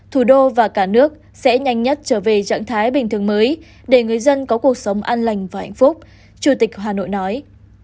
thủ đô và cả nước sẽ nhanh nhất trở về trạng thái bình thường mới để người dân có cuộc sống an lành và hạnh phúc chủ tịch hà nội nói